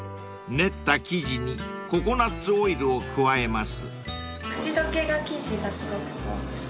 ［練った生地にココナッツオイルを加えます］